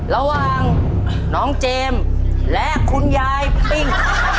ระหว่างน้องเจมส์และคุณยายปิ้ง